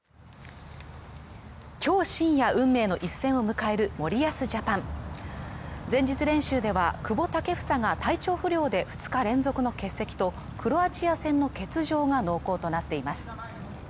今日深夜運命の一戦を迎える森保ジャパン前日練習では久保建英が体調不良で２日連続の欠席とクロアチア戦の欠場が濃厚となっています